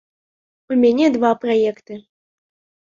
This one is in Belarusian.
У мяне два праекты.